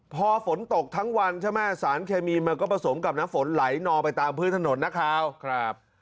พอฝนตกทั้งวันใช่ไหมสารเคมีมันก็ผสมกับน้ำฝนไหลนอไปตามพื้นถนนนะครับ